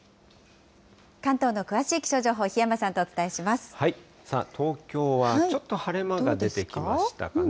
関東の詳しい気象情報、さあ、東京はちょっと晴れ間が出てきましたかね。